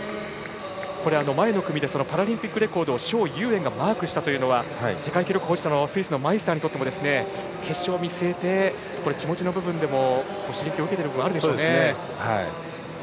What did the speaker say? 前の組でパラリンピックレコードを蒋裕燕がマークしたというのは世界記録保持者のスイスのマイスターにとっても決勝を見据えて気持ちの部分でも刺激を受ける部分はあるでしょうね。